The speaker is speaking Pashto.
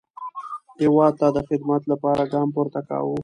هیواد ته د خدمت لپاره ګام پورته کاوه.